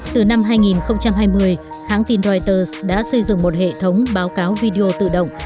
từ năm hai nghìn hai mươi hãng tin reuters đã xây dựng một hệ thống báo cáo video tự động